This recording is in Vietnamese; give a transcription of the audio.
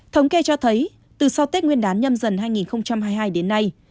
thống kê cho thấy từ sau tết nguyên đán nhâm dần hai nghìn hai mươi hai đến nay